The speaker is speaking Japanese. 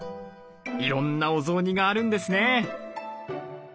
いろんなお雑煮があるんですね。